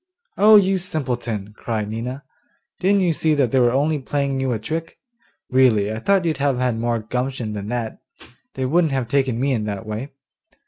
'Oh, you simpleton!' cried Nina; 'didn't you see that they were only playing you a trick? Really, I thought you'd have had more gumption than that; they wouldn't have taken me in in that way.